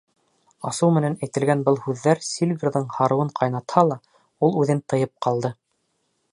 Асыу менән әйтелгән был һүҙҙәр Сильверҙың һарыуын ҡайнатһа ла, ул үҙен тыйып ҡалды.